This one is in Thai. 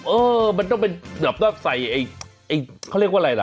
เออมันต้องเป็นแบบว่าใส่ไอ้เขาเรียกว่าอะไรล่ะ